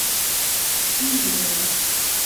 diro